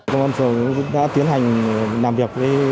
công an phường đã tiến hành làm việc với